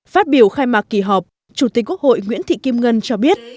phát biểu khai mạc kỳ họp chủ tịch quốc hội nguyễn thị kim ngân cho biết